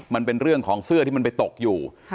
มันเป็นเรื่องของเสื้อที่มันไปตกอยู่